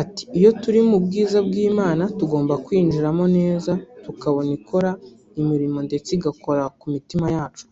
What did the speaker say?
Ati “Iyo turi mu bwiza bw’Imana tugomba kwinjiramo neza tukabona ikora imirimo ndetse igakora ku mitima yacu